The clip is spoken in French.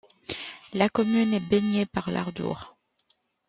La commune est baignée par l'Ardour.